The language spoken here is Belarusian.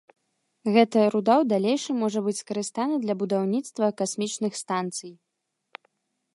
Гэта руда ў далейшым можа быць скарыстана для будаўніцтва касмічных станцый.